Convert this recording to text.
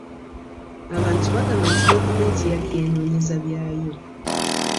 abantu bagamba nti gavumenti yali yeenoonyeza byayo.